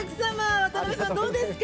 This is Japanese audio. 渡辺さん、どうですか？